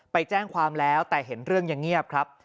ไปแจ้งความแล้วแต่เห็นเรื่องยังเงียบครับ